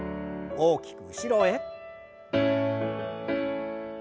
大きく後ろへ。